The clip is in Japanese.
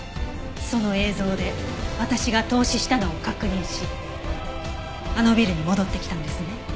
その映像で私が凍死したのを確認しあのビルに戻ってきたんですね？